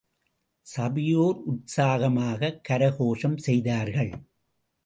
சபையோர் உற்சாகமாக கரகோஷம் செய்தார்கள்.